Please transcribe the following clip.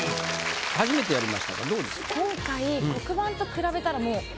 初めてやりましたがどうでした？